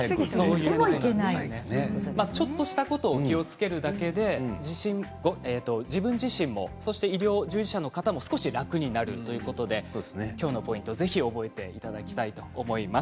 ちょっとしたことを気をつけるだけで自分自身も医療従事者の方も少し楽になるということできょうのポイントをぜひ覚えていただきたいと思います。